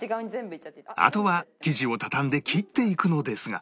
あとは生地を畳んで切っていくのですが